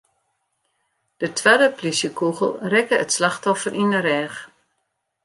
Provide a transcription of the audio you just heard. De twadde polysjekûgel rekke it slachtoffer yn 'e rêch.